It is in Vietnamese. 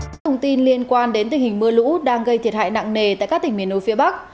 các thông tin liên quan đến tình hình mưa lũ đang gây thiệt hại nặng nề tại các tỉnh miền núi phía bắc